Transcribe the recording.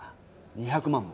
２００万も。